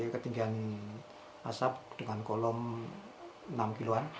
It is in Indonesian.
ketinggian asap dengan kolom enam kiloan